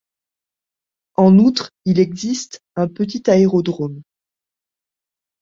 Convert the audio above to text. En outre il existe un petit aérodrome.